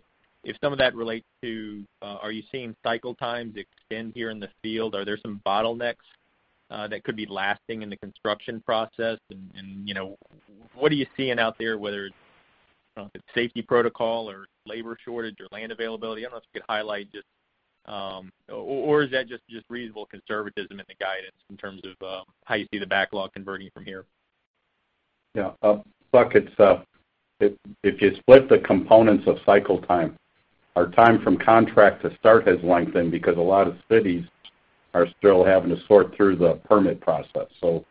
some of that relates to, are you seeing cycle times extend here in the field? Are there some bottlenecks that could be lasting in the construction process? What are you seeing out there, whether it's safety protocol or labor shortage or land availability? I don't know if you could highlight just or is that just reasonable conservatism in the guidance in terms of how you see the backlog converting from here? Yeah. Look, if you split the components of cycle time, our time from contract to start has lengthened because a lot of cities are still having to sort through the permit process. So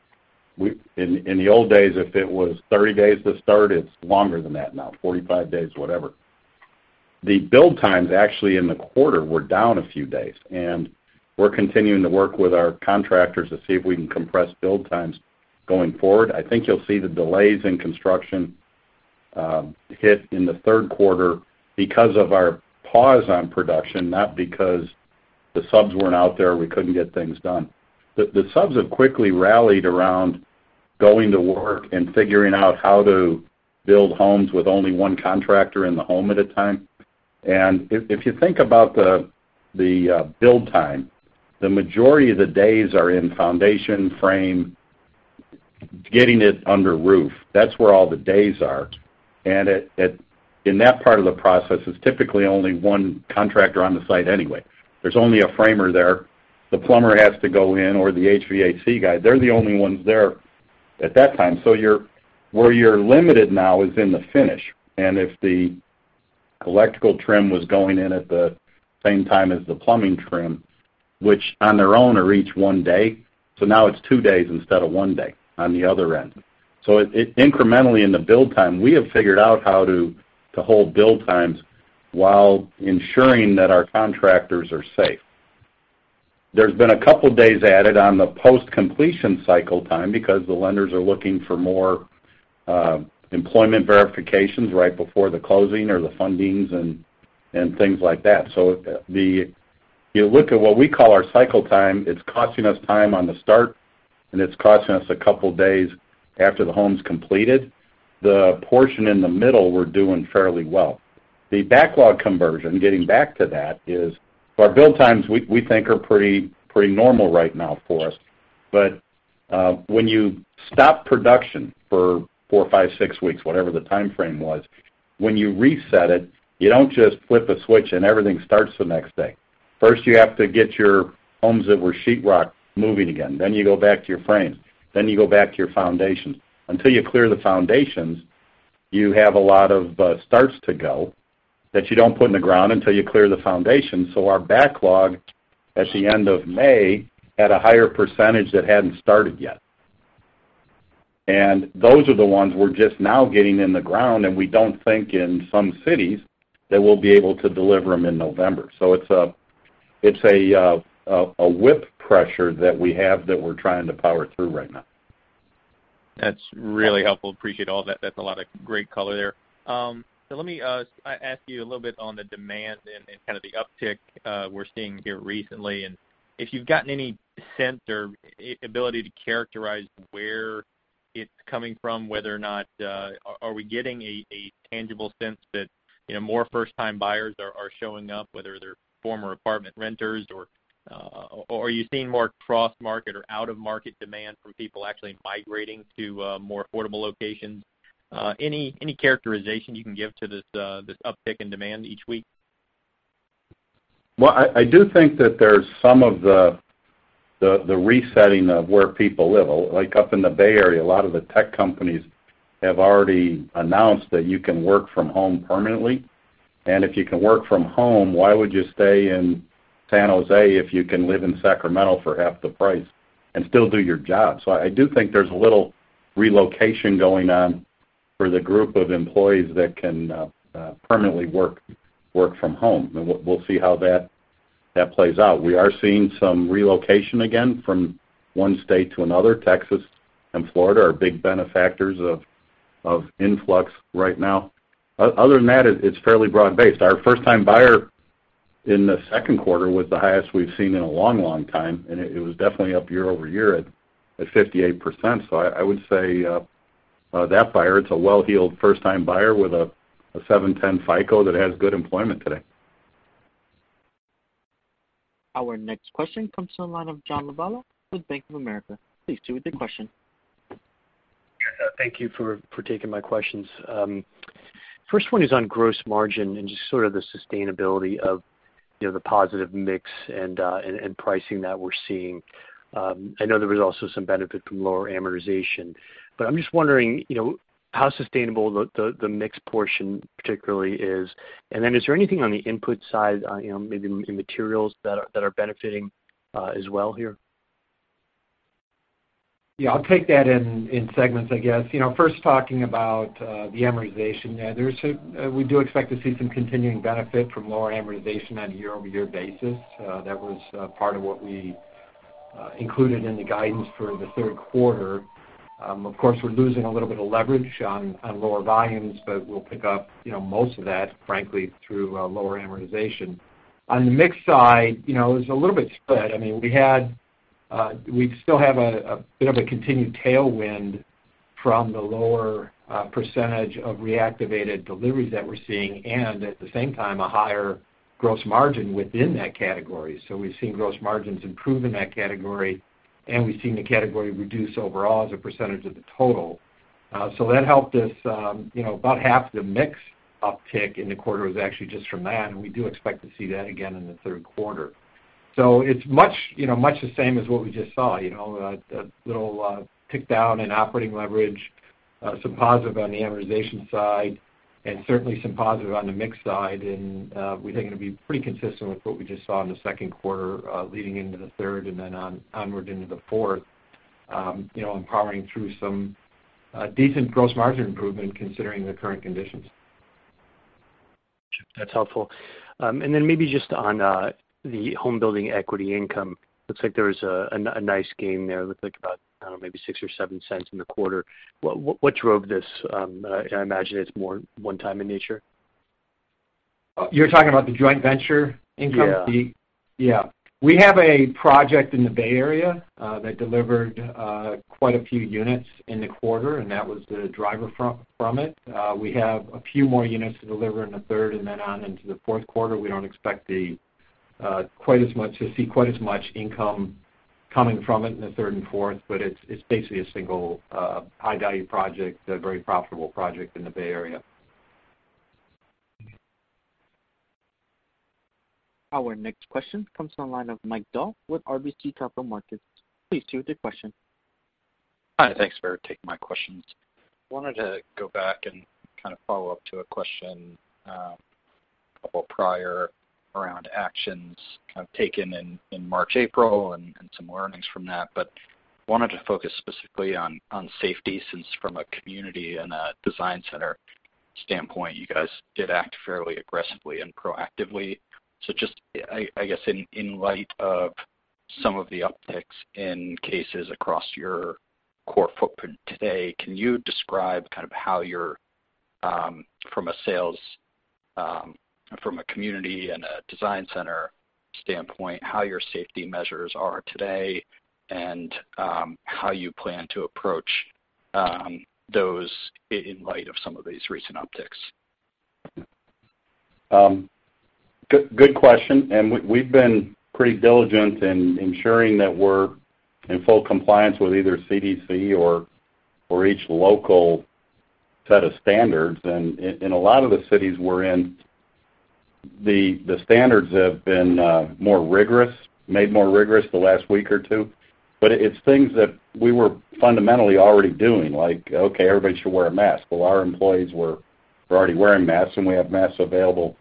in the old days, if it was 30 days to start, it's longer than that now, 45 days, whatever. The build times actually in the quarter were down a few days. And we're continuing to work with our contractors to see if we can compress build times going forward. I think you'll see the delays in construction hit in the third quarter because of our pause on production, not because the subs weren't out there or we couldn't get things done. The subs have quickly rallied around going to work and figuring out how to build homes with only one contractor in the home at a time. And if you think about the build time, the majority of the days are in foundation, frame, getting it under roof. That's where all the days are. And in that part of the process, it's typically only one contractor on the site anyway. There's only a framer there. The plumber has to go in or the HVAC guy. They're the only ones there at that time. So where you're limited now is in the finish. If the electrical trim was going in at the same time as the plumbing trim, which on their own are each one day, so now it's two days instead of one day on the other end. Incrementally in the build time, we have figured out how to hold build times while ensuring that our contractors are safe. There's been a couple of days added on the post-completion cycle time because the lenders are looking for more employment verifications right before the closing or the fundings and things like that. If you look at what we call our cycle time, it's costing us time on the start, and it's costing us a couple of days after the home's completed. The portion in the middle, we're doing fairly well. The backlog conversion, getting back to that, is our build times, we think, are pretty normal right now for us. But when you stop production for four, five, six weeks, whatever the timeframe was, when you reset it, you don't just flip a switch and everything starts the next day. First, you have to get your homes that were Sheetrock moving again. Then you go back to your frames. Then you go back to your foundations. Until you clear the foundations, you have a lot of starts to go that you don't put in the ground until you clear the foundations. So our backlog at the end of May had a higher percentage that hadn't started yet. And those are the ones we're just now getting in the ground, and we don't think in some cities that we'll be able to deliver them in November. So it's a WIP pressure that we have that we're trying to power through right now. That's really helpful. Appreciate all that. That's a lot of great color there, so let me ask you a little bit on the demand and kind of the uptick we're seeing here recently, and if you've gotten any sense or ability to characterize where it's coming from, whether or not are we getting a tangible sense that more first-time buyers are showing up, whether they're former apartment renters, or are you seeing more cross-market or out-of-market demand from people actually migrating to more affordable locations. Any characterization you can give to this uptick in demand each week, Well, I do think that there's some of the resetting of where people live up in the Bay Area, a lot of the tech companies have already announced that you can work from home permanently. If you can work from home, why would you stay in San Jose if you can live in Sacramento for half the price and still do your job? So I do think there's a little relocation going on for the group of employees that can permanently work from home. We'll see how that plays out. We are seeing some relocation again from one state to another. Texas and Florida are big beneficiaries of influx right now. Other than that, it's fairly broad-based. Our first-time buyer in the second quarter was the highest we've seen in a long, long time, and it was definitely up year over year at 58%. So I would say that buyer, it's a well-heeled first-time buyer with a 710 FICO that has good employment today. Our next question comes from the line of [Analyst] with Bank of America. Please proceed with your question. Thank you for taking my questions. First one is on gross margin and just sort of the sustainability of the positive mix and pricing that we're seeing. I know there was also some benefit from lower amortization. But I'm just wondering how sustainable the mix portion particularly is. And then is there anything on the input side, maybe in materials that are benefiting as well here? Yeah. I'll take that in segments, I guess. First, talking about the amortization, we do expect to see some continuing benefit from lower amortization on a year-over-year basis. That was part of what we included in the guidance for the third quarter. Of course, we're losing a little bit of leverage on lower volumes, but we'll pick up most of that, frankly, through lower amortization. On the mix side, it's a little bit split. I mean, we still have a bit of a continued tailwind from the lower percentage of reactivated deliveries that we're seeing and, at the same time, a higher gross margin within that category. So we've seen gross margins improve in that category, and we've seen the category reduce overall as a percentage of the total. So that helped us. About half the mix uptick in the quarter was actually just from that, and we do expect to see that again in the third quarter. So it's much the same as what we just saw. A little tick down in operating leverage, some positive on the amortization side, and certainly some positive on the mix side. We think it'll be pretty consistent with what we just saw in the second quarter leading into the third and then onward into the fourth, powering through some decent gross margin improvement considering the current conditions. That's helpful. And then maybe just on the Homebuilding equity income, it looks like there was a nice gain there. It looked like about, I don't know, maybe $0.06 or $0.07 in the quarter. What drove this? I imagine it's more one-time in nature. You're talking about the joint venture income? Yeah. Yeah. We have a project in the Bay Area that delivered quite a few units in the quarter, and that was the driver from it. We have a few more units to deliver in the third and then on into the fourth quarter. We don't expect quite as much income coming from it in the third and fourth, but it's basically a single high-value project, a very profitable project in the Bay Area. Our next question comes from the line of Mike Dahl with RBC Capital Markets. Please proceed with your question. Hi. Thanks for taking my questions. Wanted to go back and kind of follow up to a question a couple of prior around actions kind of taken in March, April and some learnings from that. But wanted to focus specifically on safety since from a community and a design center standpoint, you guys did act fairly aggressively and proactively. So just, I guess, in light of some of the upticks in cases across your core footprint today, can you describe kind of how your, from a sales, from a community and a design center standpoint, how your safety measures are today and how you plan to approach those in light of some of these recent upticks? Good question. And we've been pretty diligent in ensuring that we're in full compliance with either CDC or each local set of standards. And in a lot of the cities we're in, the standards have been more rigorous, made more rigorous the last week or two. But it's things that we were fundamentally already doing, like, "Okay, everybody should wear a mask." Well, our employees were already wearing masks, and we have masks available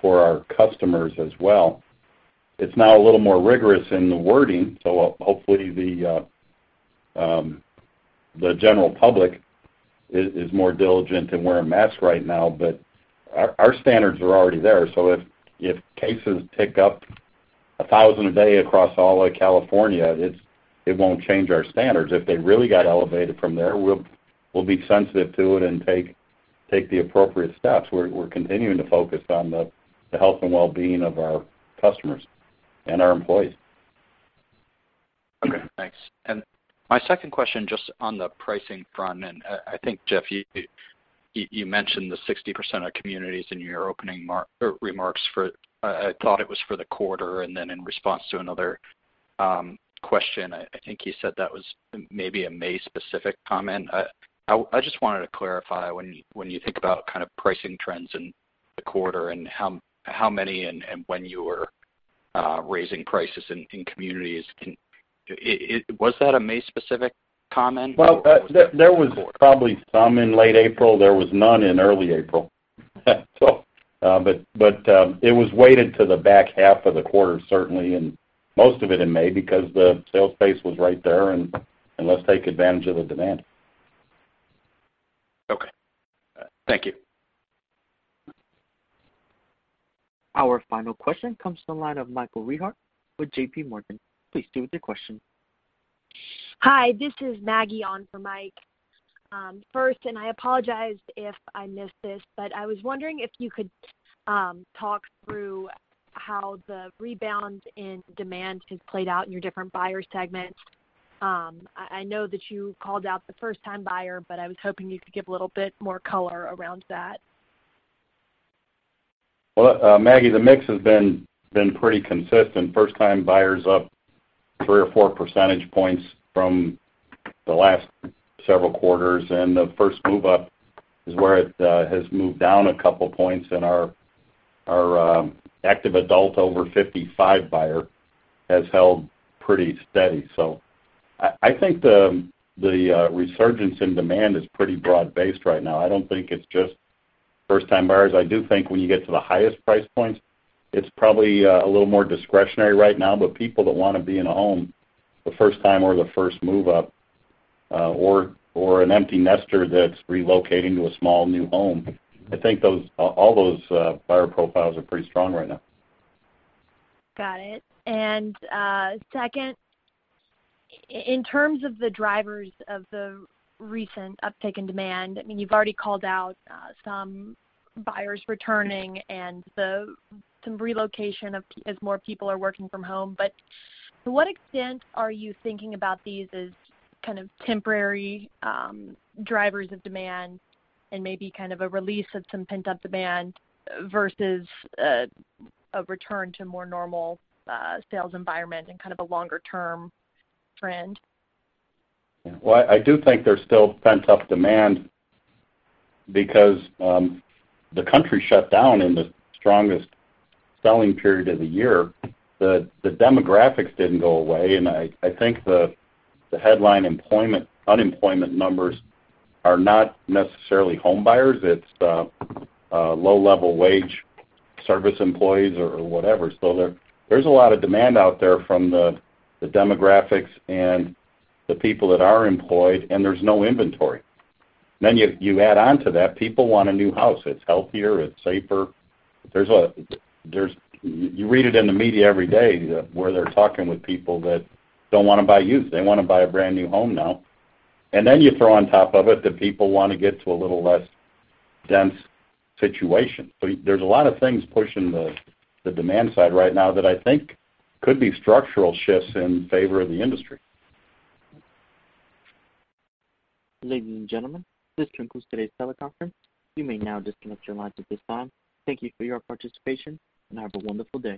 for our customers as well. It's now a little more rigorous in the wording. So hopefully the general public is more diligent in wearing masks right now. But our standards are already there. So if cases tick up 1,000 a day across all of California, it won't change our standards. If they really got elevated from there, we'll be sensitive to it and take the appropriate steps. We're continuing to focus on the health and well-being of our customers and our employees. Okay. Thanks. And my second question just on the pricing front. And I think, Jeff, you mentioned the 60% of communities in your opening remarks for I thought it was for the quarter. And then in response to another question, I think you said that was maybe a May-specific comment. I just wanted to clarify when you think about kind of pricing trends in the quarter and how many and when you were raising prices in communities, was that a May-specific comment? There was probably some in late April. There was none in early April. But it was weighted to the back half of the quarter, certainly, and most of it in May because the sales base was right there, and let's take advantage of the demand. Okay. Thank you. Our final question comes from the line of Michael Rehaut with JPMorgan. Please proceed with your question. Hi. This is Maggie on for Mike first. And I apologize if I missed this, but I was wondering if you could talk through how the rebound in demand has played out in your different buyer segments. I know that you called out the first-time buyer, but I was hoping you could give a little bit more color around that. Maggie, the mix has been pretty consistent. First-time buyers up three or four percentage points from the last several quarters. And the first move-up is where it has moved down a couple of points. And our active adult over 55 buyer has held pretty steady. So I think the resurgence in demand is pretty broad-based right now. I don't think it's just first-time buyers. I do think when you get to the highest price points, it's probably a little more discretionary right now. But people that want to be in a home the first time or the first move-up or an empty nester that's relocating to a small new home, I think all those buyer profiles are pretty strong right now. Got it. And second, in terms of the drivers of the recent uptick in demand, I mean, you've already called out some buyers returning and some relocation as more people are working from home. But to what extent are you thinking about these as kind of temporary drivers of demand and maybe kind of a release of some pent-up demand versus a return to a more normal sales environment and kind of a longer-term trend? Yeah. Well, I do think there's still pent-up demand because the country shut down in the strongest selling period of the year. The demographics didn't go away. And I think the headline unemployment numbers are not necessarily home buyers. It's low-level wage service employees or whatever. So there's a lot of demand out there from the demographics and the people that are employed, and there's no inventory. Then you add on to that, people want a new house. It's healthier. It's safer. You read it in the media every day where they're talking with people that don't want to buy used. They want to buy a brand new home now, and then you throw on top of it that people want to get to a little less dense situation, so there's a lot of things pushing the demand side right now that I think could be structural shifts in favor of the industry. Ladies and gentlemen, this concludes today's teleconference. You may now disconnect your lines at this time. Thank you for your participation, and have a wonderful day.